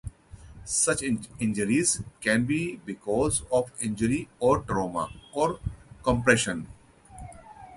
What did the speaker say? Such injuries can be because of injury or trauma, or compression.